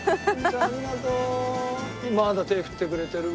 まだ手振ってくれてる。